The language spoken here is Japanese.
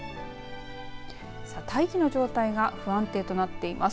大気の状態が不安定となっています。